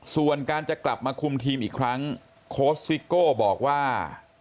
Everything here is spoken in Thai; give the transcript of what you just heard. ส่วนการจะกลับมาคุมทีมอีกครั้งโค้ชซิโก้บอกว่า